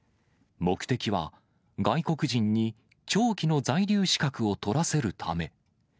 目的は、外国人に長期の在留資格を取らせるため。